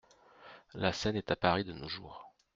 La scène est à Paris, de nos jours.